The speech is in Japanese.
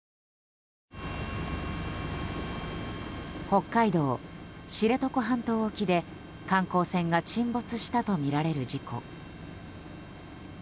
北海道知床半島沖で観光船が沈没したとみられる事故。